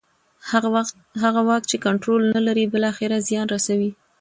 هغه واک چې کنټرول نه لري بالاخره زیان رسوي